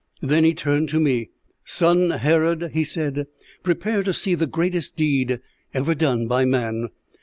"Then he turned to me. 'Son Herod,' he said, 'prepare to see the greatest deed ever done by man.